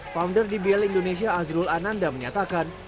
founder dbl indonesia azrul ananda menyatakan